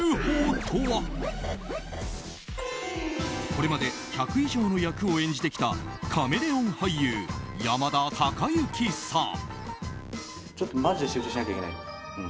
これまで１００以上の役を演じてきたカメレオン俳優、山田孝之さん。